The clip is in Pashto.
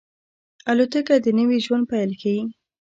الوتکه د نوي ژوند پیل ښيي.